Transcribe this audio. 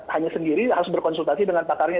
hanya sendiri harus berkonsultasi dengan pakarnya